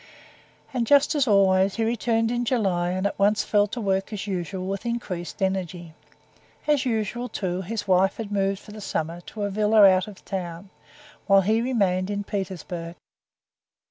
And just as always he returned in July and at once fell to work as usual with increased energy. As usual, too, his wife had moved for the summer to a villa out of town, while he remained in Petersburg.